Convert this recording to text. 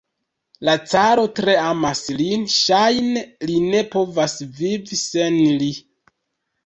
La caro tre amas lin, ŝajne li ne povas vivi sen li.